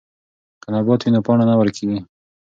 که نبات وي نو پاڼه نه ورکیږي.